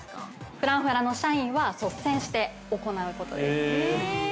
◆フランフランの社員は率先して行うことです。